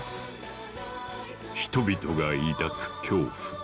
人々が抱く恐怖。